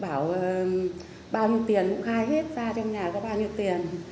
bảo bao nhiêu tiền cũng khai hết ra trong nhà có bao nhiêu tiền